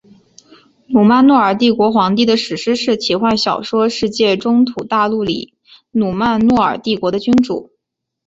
努曼诺尔帝国皇帝的史诗式奇幻小说世界中土大陆里努曼诺尔帝国的君主。